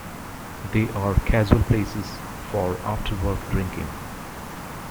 They are casual places for after-work drinking.